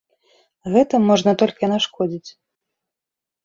Гэтым можна толькі нашкодзіць.